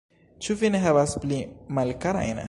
Ĉu vi ne havas pli malkarajn?